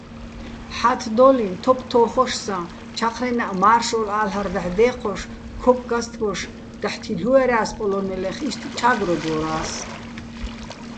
ჰ̦ა́თდოლიჼ თოფთო́ხოშსაჼ ჩაჴრენაჸ მა́რშოლალ'არ დაჰ̦ დე́ჴოშ, ქოკქასტბოშ დაჰ̦ თილ'უერა́ს პოლო́ნელეხ, იშტ "ჩა́გროდვორას".